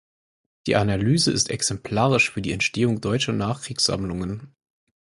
Die Analyse ist exemplarisch für die Entstehung deutscher Nachkriegssammlungen.